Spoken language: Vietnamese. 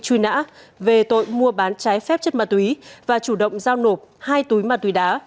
truy nã về tội mua bán trái phép chất ma túy và chủ động giao nộp hai túi ma túy đá